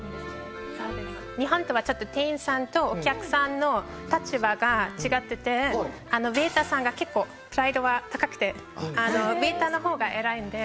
日本とはちょっと店員さんとお客さんの立場が違っててウェイターさんが結構プライドが高くてウェイターの方が偉いんで。